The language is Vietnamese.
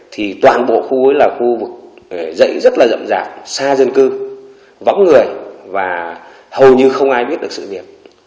thì toàn bộ khu ấy là khu vực dãy rất là rậm rạp xa dân cư võng người và hầu như không ai biết được sự việc